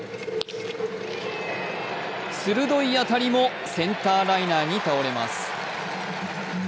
鋭い当たりもセンターライナーに倒れます。